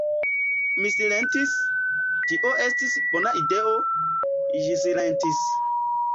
Mi silentis, tio estis bona ideo; ĝi silentis.